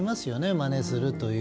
まねするという。